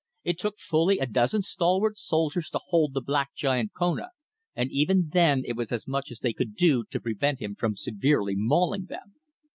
It took fully a dozen stalwart soldiers to hold the black giant Kona, and even then it was as much as they could do to prevent him from severely mauling them.